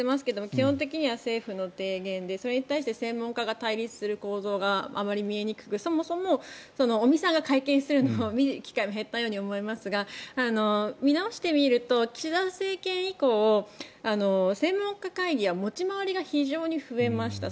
基本的には政府の提言でそれに対して専門家が対立する構造があまり見えにくくそもそも尾身さんが会見しているのを見る機会が減ったようにも思いますが見直してみると岸田政権以降専門家会議は持ち回りが非常に増えました。